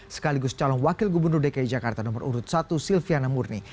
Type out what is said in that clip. sekaligus calon wakil gubernur dki jakarta nomor urut satu silviana murni